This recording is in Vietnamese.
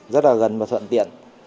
rất là gần và thuận tiện